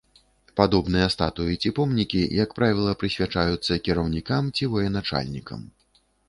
Падобныя статуі ці помнікі, як правіла, прысвячаюцца кіраўнікам і военачальнікам.